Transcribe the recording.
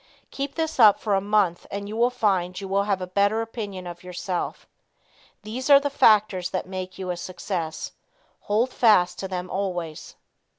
Keep this up for a month and you will find you will have a better opinion of yourself. These are the factors that make you a success. Hold fast to them always.